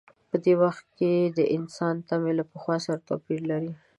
په دې وخت کې د انسان تمې له پخوا سره توپیر لري.